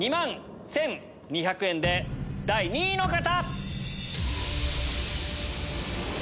２万１２００円で第２位の方！